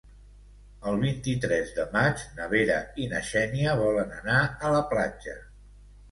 El vint-i-tres de maig na Vera i na Xènia volen anar a la platja.